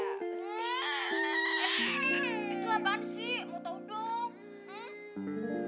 itu apaan sih mau tau dong